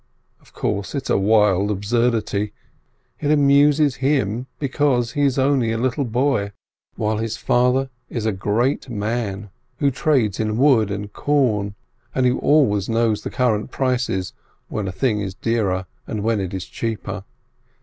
Of course it's a wild absurdity ! It amuses him, because he is only a little boy, while his father is a great man, who trades in wood and corn, and who always knows the current prices — when a thing is dearer and when it is cheaper.